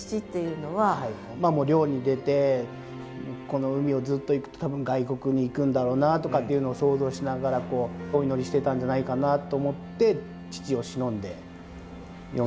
もう漁に出てこの海をずっと行くと多分外国に行くんだろうなとかっていうのを想像しながらお祈りしてたんじゃないかなと思って父をしのんで詠んでみました。